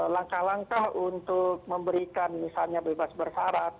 langkah langkah untuk memberikan misalnya bebas bersarat